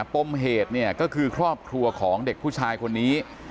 ปมเหตุเนี่ยก็คือครอบครัวของเด็กผู้ชายคนนี้